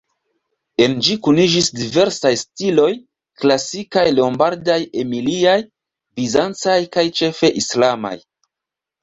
En ĝi kuniĝis diversaj stiloj, klasikaj, lombardaj-emiliaj, bizancaj kaj ĉefe islamaj.